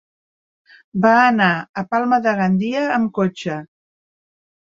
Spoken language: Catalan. Va anar a Palma de Gandia amb cotxe.